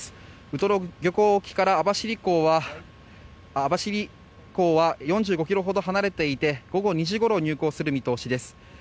ウトロ漁港沖から網走港は４５ｋｍほど離れていて午後２時ごろ入港する見通しです。